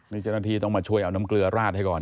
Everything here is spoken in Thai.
นี่เจ้าหน้าที่ต้องมาช่วยเอาน้ำเกลือราดให้ก่อน